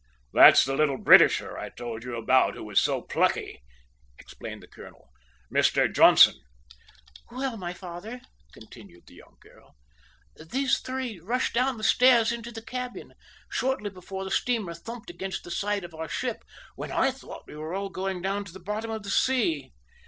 "That's the little Britisher I told you about, who was so plucky," explained the colonel "Mr Johnson." "Well, my father," continued the young girl, "these three rushed down the stairs into the cabin, shortly before the steamer thumped against the side of our ship, when I thought we were all going down to the bottom of the sea."